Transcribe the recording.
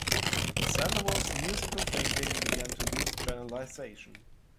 Sandoval's musical thinking began to lose channelization.